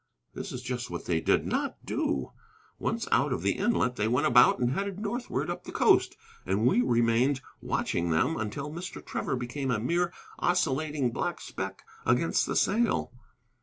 This is just what they did not do. Once out of the inlet, they went about and headed northward, up the coast, and we remained watching them until Mr. Trevor became a mere oscillating black speck against the sail.